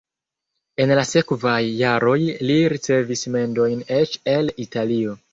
En la sekvaj jaroj li ricevis mendojn eĉ el Italio.